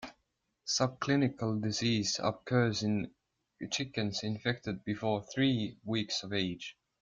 Subclinical disease occurs in chickens infected before three weeks of age.